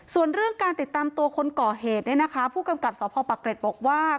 ส่วนเรื่องการติดตามตัวคนก่อเหตุเนี่ยนะคะผู้กำกับสพปะเกร็ดบอกว่า